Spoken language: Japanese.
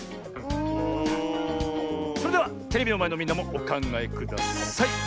それではテレビのまえのみんなもおかんがえください！